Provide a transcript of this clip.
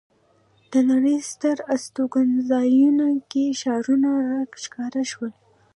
د نړۍ ستر استوګنځایونو کې ښارونه را ښکاره شول.